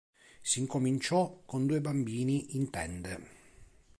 Si incominciò con due bambini in tende.